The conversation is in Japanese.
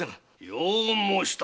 よう申した。